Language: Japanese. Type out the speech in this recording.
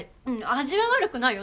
味は悪くないよ。